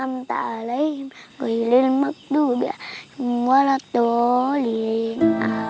amta alaim kuilil makduh biak jum'alat dolin